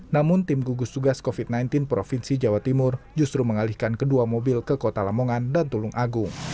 namun tim gugus tugas covid sembilan belas provinsi jawa timur justru mengalihkan kedua mobil ke kota lamongan dan tulung agung